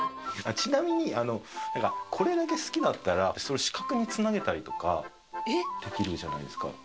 ちなみにこれだけ好きだったら資格に繋げたりとかできるじゃないですか。